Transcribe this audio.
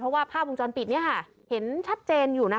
เพราะว่าภาพวงจรปิดเห็นชัดเจนอยู่นะคะ